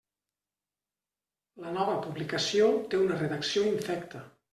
La nova publicació té una redacció infecta.